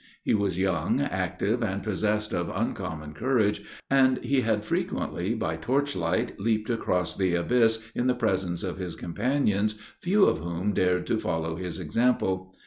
He was young, active, and possessed of uncommon courage, and he had frequently, by torch light, leaped across the abyss, in the presence of his companions, few of whom dared to follow his example.